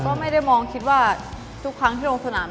ก็ไม่ได้มองคิดว่าทุกครั้งที่ลงสนาม